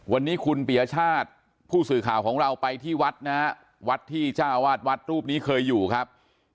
วันนี้คุณปียชาติผู้สื่อข่าวของเราไปที่วัดนะฮะวัดที่เจ้าวาดวัดรูปนี้เคยอยู่ครับ